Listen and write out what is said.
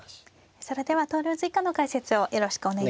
それでは投了図以下の解説をよろしくお願いします。